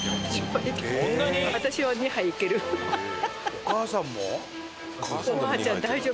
お母さんも？